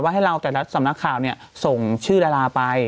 ว่าให้เราแต่รัฐสำนักข่าวนี้ส่งชื่อดราราไป